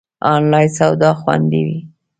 آنلاین سودا خوندی وی؟